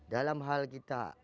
dalam hal kita